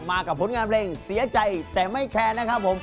กับผลงานเพลงเสียใจแต่ไม่แคร์นะครับผม